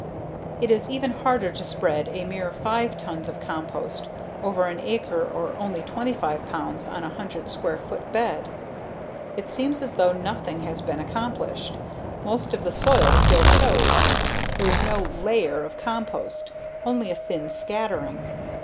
It is even harder to spread a mere 5 tons of compost over an acre or only 25 pounds on a 100 square foot bed. It seems as though nothing has been accomplished, most of the soil still shows, there is no _layer _of compost, only a thin scattering.